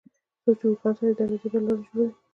څوک چې اوښان ساتي، دروازې به لوړې جوړوي.